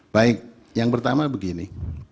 baik yang pertama begini